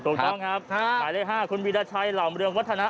ตรงต้องครับหมายเลขห้าคุณวิราชัยหล่อเมืองวัฒนา